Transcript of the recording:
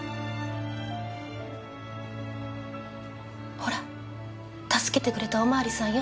ほら助けてくれたお巡りさんよ